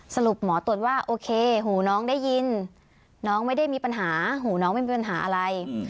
หมอตรวจว่าโอเคหูน้องได้ยินน้องไม่ได้มีปัญหาหูน้องไม่มีปัญหาอะไร